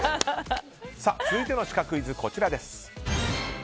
続いてのシカクイズはこちら。